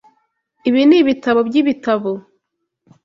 Ibi nibitabo byibitabo.